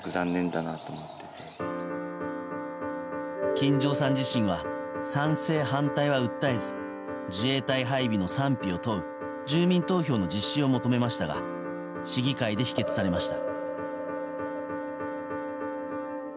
金城さん自身は賛成、反対は訴えず自衛隊配備の賛否を問う住民投票の実施を求めましたが市議会で否決されました。